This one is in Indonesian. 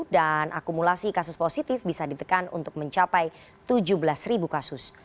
dan akumulasi kasus positif bisa ditekan untuk mencapai tujuh belas ribu kasus